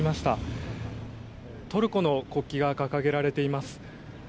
トルコの国旗が掲げられています。